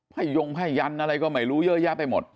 ห้ายยงห้ายยันอะไรก็ไม่รู้เยอะแยะไปหมด